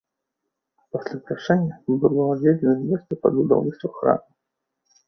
Пасля прашэння было адведзена месца пад будаўніцтва храма.